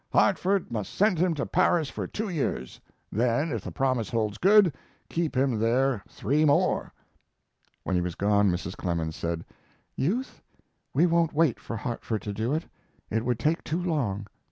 Hartford must send him to Paris for two years; then, if the promise holds good, keep him there three more." When he was gone Mrs. Clemens said: "Youth, we won't wait for Hartford to do it. It would take too long.